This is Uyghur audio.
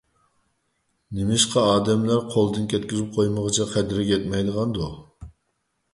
نېمىشقا ئادەملەر قولدىن كەتكۈزۈپ قويمىغۇچە قەدرىگە يەتمەيدىغاندۇ؟